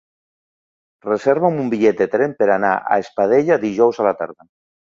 Reserva'm un bitllet de tren per anar a Espadella dijous a la tarda.